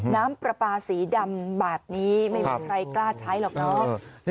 น้ำปลาปลาสีดำแบบนี้ไม่มีใครกล้าใช้หรอกเนาะ